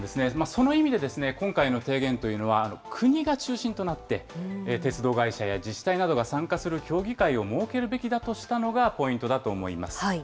その意味で、今回の提言というのは、国が中心となって、鉄道会社や自治体などが参加する協議会を設けるべきだとしたのが、ポイントだと思います。